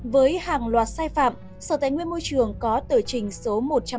với hàng loạt sai phạm sở tài nguyên môi trường có tờ trình số một trăm ba mươi năm